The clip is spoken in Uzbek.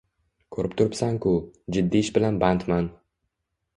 Ko‘rib turibsanku, jiddiy ish bilan bandman.